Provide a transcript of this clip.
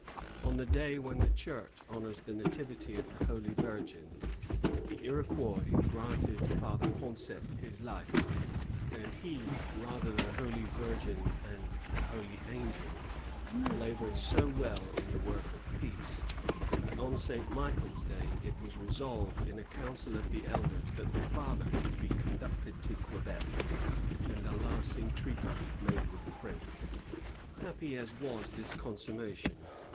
" On the day when the Church honors the Nativity of the Holy Virgin, the Iroquois granted Father Poncet his life; and he, or rather the Holy Virgin land the holy angels, labored so well in the work of •peace, that on Saint Michael's Day it was resolved in a council of the elders that the father should be con ducted to Quebec, and a lasting treaty made with the French."! Happy as was this consummation.